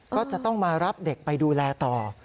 ก็จะต้องมารับเด็กไปดูแลต่อ